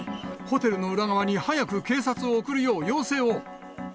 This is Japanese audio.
ホテルの裏側に早く警察を送るよう要請を！